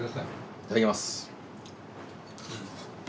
いただきます。